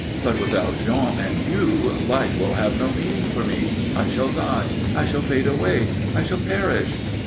"But without Jean and you life will have no meaning for me. I shall die. I shall fade away. I shall perish.